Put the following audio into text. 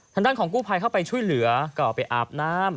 ทางด้านของกู้ภัยเข้าไปช่วยเหลือก็ไปอาบน้ำ